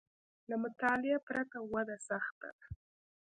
له مطالعې پرته وده سخته ده